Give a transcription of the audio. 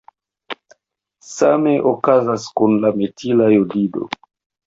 Same okazas kun la metila jodido.